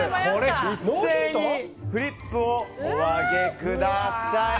一斉にフリップをお上げください。